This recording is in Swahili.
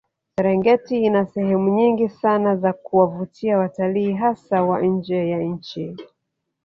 Serengeti ina sehemu nyingi Sana za kuwavutia watalii hasa wa nje ya nchi